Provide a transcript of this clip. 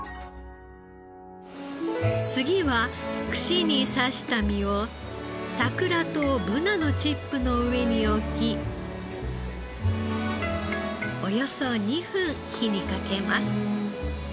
次は串に刺した身をサクラとブナのチップの上に置きおよそ２分火にかけます。